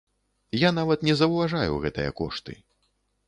Я нават не заўважаю гэтыя кошты.